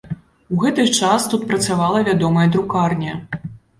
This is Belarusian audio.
У гэты час тут працавала вядомая друкарня.